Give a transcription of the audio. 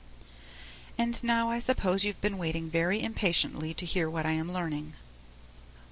And now I suppose you've been waiting very impatiently to hear what I am learning?